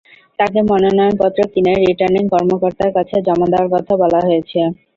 তাঁকে মনোনয়নপত্র কিনে রিটার্নিং কর্মকর্তার কাছে জমা দেওয়ার কথা বলা হয়েছে।